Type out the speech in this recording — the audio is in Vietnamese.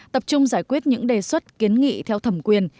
tập trung giải quyết những đề xuất kiến nghị theo thẩm quyền